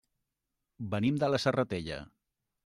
Venim de la Serratella.